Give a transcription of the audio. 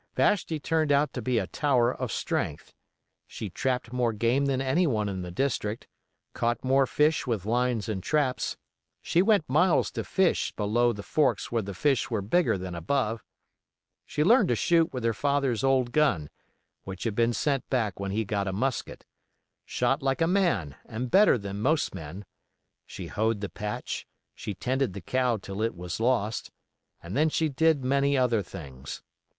Vashti turned out to be a tower of strength. She trapped more game than anyone in the district; caught more fish with lines and traps—she went miles to fish below the forks where the fish were bigger than above; she learned to shoot with her father's old gun, which had been sent back when he got a musket, shot like a man and better than most men; she hoed the patch, she tended the cow till it was lost, and then she did many other things.